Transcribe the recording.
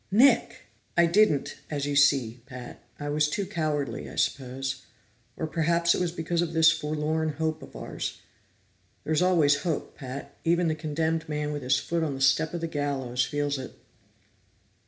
"Nick!" "I didn't, as you see, Pat. I was too cowardly, I suppose. Or perhaps it was because of this forlorn hope of ours. There's always hope, Pat; even the condemned man with his foot on the step to the gallows feels it."